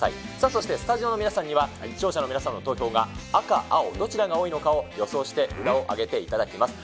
そしてスタジオの皆さんには、視聴者の皆さんの投票が赤、青、どちらが多いのかを予想して札を上げていただきます。